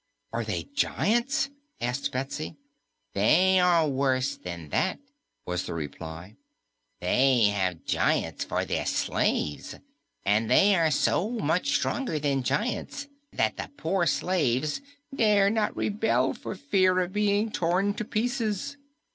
"Are they giants?" asked Betsy. "They are worse than that," was the reply. "They have giants for their slaves and they are so much stronger than giants that the poor slaves dare not rebel for fear of being torn to pieces."